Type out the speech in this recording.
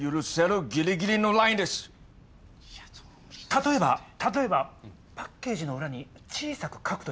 例えば例えばパッケージの裏に小さく書くというのは？